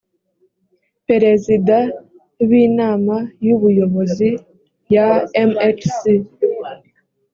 perezida b inama y ubuyobozi ya mhc